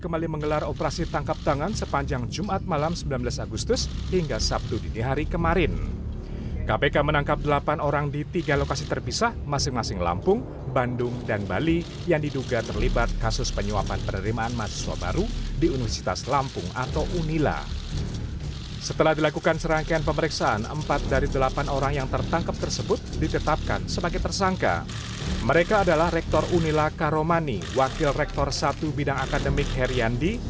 mereka adalah rektor unila karomani wakil rektor satu bidang akademik heriandi